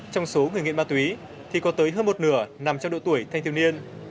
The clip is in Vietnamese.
trong số người nghiện ma túy thì có tới hơn một nửa nằm trong độ tuổi thanh thiếu niên